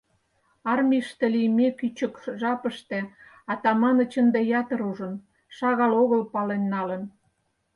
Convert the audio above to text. Армийыште лийме кӱчык жапыште Атаманыч ынде ятыр ужын, шагал огыл пален налын.